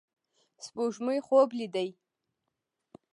سپوږمۍ خوب لیدې